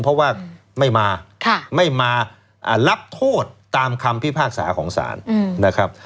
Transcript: เพราะว่าไม่มาไม่มารับโทษตามคำพิพากษาของศาลนะครับ